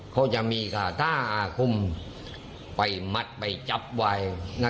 เค้าจะมีถ้าอาคุมไปหมัดไปจับไว้